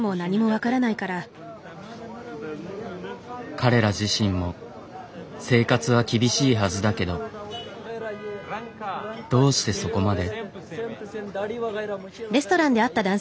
彼ら自身も生活は厳しいはずだけどどうしてそこまで。